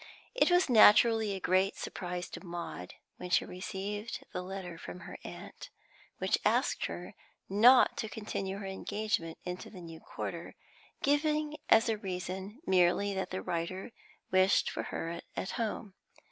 It was naturally a great surprise to Maud when she received the letter from her aunt, which asked her not to continue her engagement into the new quarter, giving as a reason merely that the writer wished for her at home.